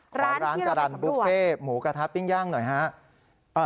ขอร้านจรรย์บุฟเฟ่หมูกระทะปิ้งย่างหน่อยฮะ